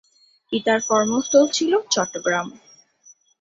পিতার কর্মস্থল ছিল চট্টগ্রাম।